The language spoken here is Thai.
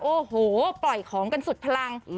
โอ้โหปล่อยของกันสุดพลัง